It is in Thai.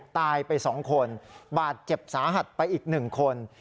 ตายไปสองคนบาดเจ็บสาหัสไปอีกหนึ่งคน